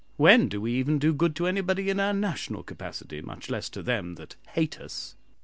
When do we even do good to anybody in our national capacity, much less to them 'that hate us'?